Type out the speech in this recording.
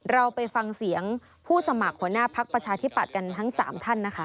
เราไปฟังเสียงผู้สมัครหัวหน้าพักประชาธิปัตย์กันทั้ง๓ท่านนะคะ